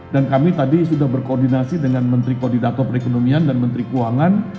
dan kami tadi sudah berkoordinasi dengan menteri koordinator perekonomian dan menteri keuangan